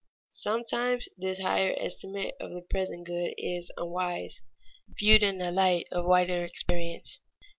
Sometimes this higher estimate of the present good is unwise, viewed in the light of wider experience.